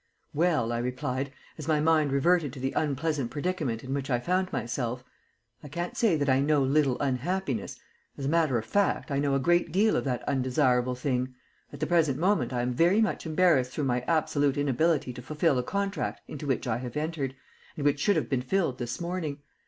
"Well," I replied, as my mind reverted to the unpleasant predicament in which I found myself, "I can't say that I know little unhappiness. As a matter of fact, I know a great deal of that undesirable thing. At the present moment I am very much embarrassed through my absolute inability to fulfil a contract into which I have entered, and which should have been filled this morning.